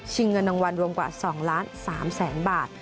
ชิงเงินนางวัลรวมกว่า๒๓ล้านบาท